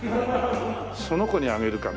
その子にあげるかな。